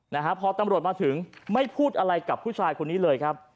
นะฮะพอตำรวจมาถึงไม่พูดอะไรกับผู้ชายคนนี้เลยครับ